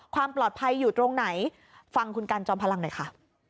ความปลอดภัยอยู่ตรงไหนฟังคุณกันจอมพลังหน่อยค่ะ